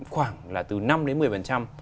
khoảng là từ năm đến một mươi